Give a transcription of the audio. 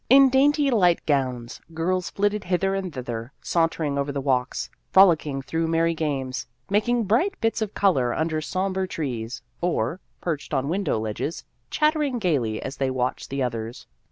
In dainty light gowns, girls flitted hither and thither sauntering over the walks, frolick ing through merry games, making bright bits of color under sombre trees, or, perched on window ledges, chattering gayly as they watched the others.